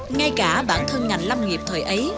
ngay cả bản thân ngành lâm nghiệp thời ấy